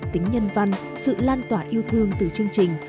tính nhân văn sự lan tỏa yêu thương từ chương trình